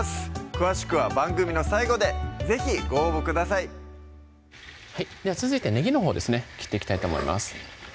詳しくは番組の最後で是非ご応募くださいでは続いてねぎのほうですね切っていきたいと思います